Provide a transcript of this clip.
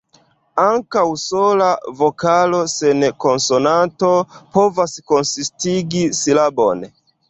Ankaŭ sola vokalo sen konsonanto povas konsistigi silabon.